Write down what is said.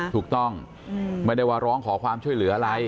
ถูกต้องไม่ได้ว่าร้องขอความช่วยเหลืออะไร